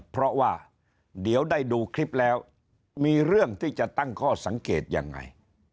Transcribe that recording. เพราะว่าเดี๋ยวได้ดูคลิปแล้วมีเรื่องที่จะตั้งข้อสังเกตยังไง